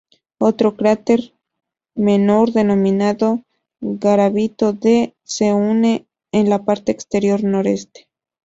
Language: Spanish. Otro cráter menor, denominado "Garavito D", se une en la parte exterior noreste.